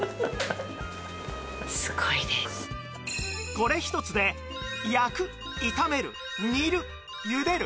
これ１つで焼く炒める煮るゆでる